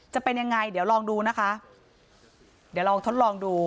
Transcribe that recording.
จะเป็นยังไงเดี๋ยวลองดูนะคะเดี๋ยวลองทดลองดู